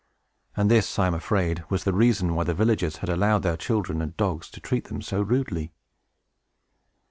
And this, I am afraid, was the reason why the villagers had allowed their children and dogs to treat them so rudely.